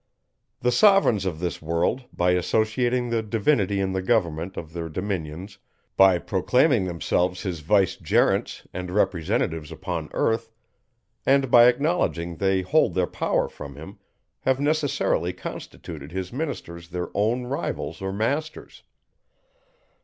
The sovereigns of this world, by associating the Divinity in the government of their dominions, by proclaiming themselves his vicegerents and representatives upon earth, and by acknowledging they hold their power from him, have necessarily constituted his ministers their own rivals or masters.